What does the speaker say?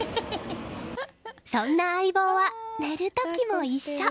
そんな相棒は寝る時も一緒。